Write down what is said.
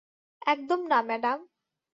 একদম না, ম্যাডাম।